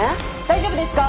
大丈夫ですか？